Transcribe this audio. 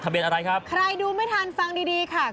เบียนอะไรครับใครดูไม่ทันฟังดีดีค่ะ